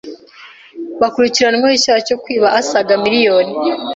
bakurikiranyweho icyaha cyo kwiba asaga miliyoni